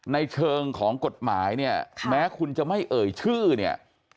ในเชิงของกฎหมายเนี่ยแม้คุณจะไม่เอ่ยชื่อเนี่ย